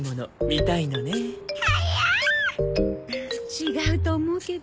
違うと思うけど。